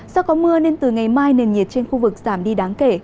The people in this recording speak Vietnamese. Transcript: do có mưa nên từ ngày mai nền nhiệt trên khu vực giảm đi đáng kể